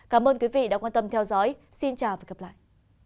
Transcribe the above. cảm ơn quý vị đã quan tâm theo dõi xin chào và hẹn gặp lại